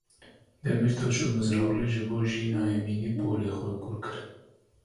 Demîrtaş û Mizrakli ji bo Jîna Emînî porê xwe kur kirin.